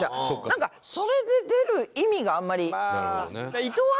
なんかそれで出る意味があんまり。